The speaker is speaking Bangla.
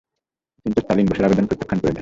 কিন্তু স্টালিন বোসের আবেদন প্রত্যাখ্যান করে দেন।